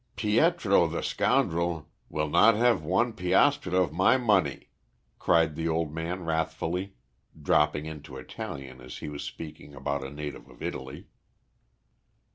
"Pietro, the scoundrel, will not have one piastra of my money," cried the old man wrathfully, dropping into Italian as he was speaking about a native of Italy.